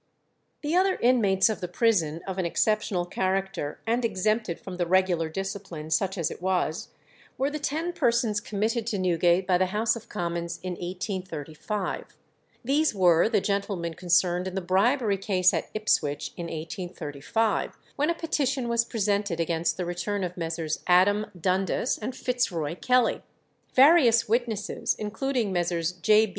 The other inmates of the prison of an exceptional character, and exempted from the regular discipline, such as it was, were the ten persons committed to Newgate by the House of Commons in 1835. These were the gentlemen concerned in the bribery case at Ipswich in 1835, when a petition was presented against the return of Messrs. Adam Dundas and Fitzroy Kelly. Various witnesses, including Messrs. J.